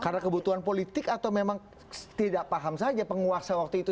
karena kebutuhan politik atau memang tidak paham saja penguasa waktu itu